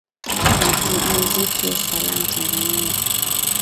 muziki es salam tanzania